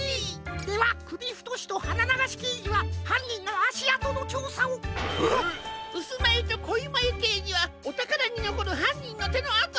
ではくびふとしとはなながしけいじははんにんのあしあとのちょうさを！えっ！うすまゆとこいまゆけいじはおたからにのこるはんにんのてのあとを！